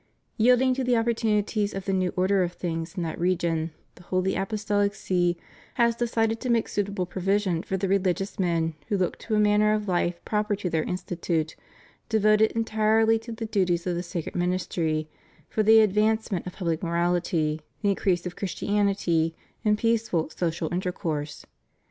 Yielding to the opportunities of the new order of things in that region, the Holy Apostolic See has decided to make suitable provision for the religious men who look to a manner of fife proper to their Institute, devoted en tirely to the duties of the sacred ministry, for the advance ment of pubUc moraUty, the increase of Christianity and peaceful social intercourse.